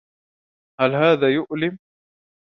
هل هذا يؤلم؟